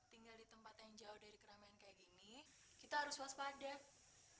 tinggal di tempat yang jauh dari keramaian kayak gini kita harus waspada